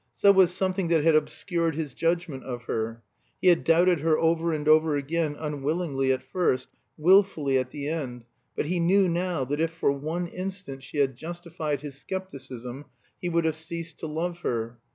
So was something that had obscured his judgment of her. He had doubted her over and over again, unwillingly at first, willfully at the end; but he knew now that if for one instant she had justified his skepticism he would have ceased to love her.